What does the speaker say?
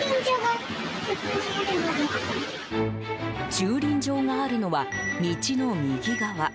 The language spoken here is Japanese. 駐輪場があるのは道の右側。